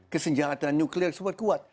kesenjataan nuklir super kuat